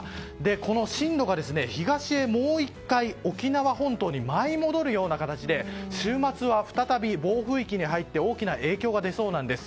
この進路が東へもう１回、沖縄本島に舞い戻るような形で週末は再び暴風域に入って大きな影響が出そうなんです。